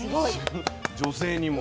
女性にも。